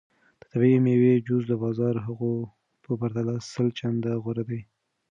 د طبیعي میوو جوس د بازاري هغو په پرتله سل چنده غوره دی.